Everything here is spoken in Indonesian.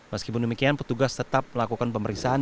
meskipun demikian petugas tetap melakukan pemeriksaan